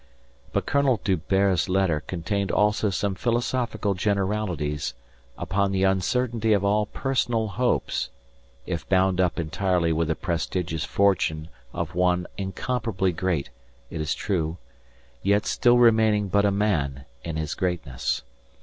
But Colonel D'Hubert's letter contained also some philosophical generalities upon the uncertainty of all personal hopes if bound up entirely with the prestigious fortune of one incomparably great, it is true, yet still remaining but a man in his greatness.